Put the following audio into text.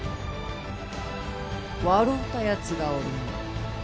笑うたやつがおるの。